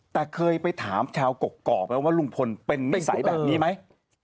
แต่เคยไปถามชาวกกอกไหมว่าลุงพลเป็นนิสัยแบบนี้ไหม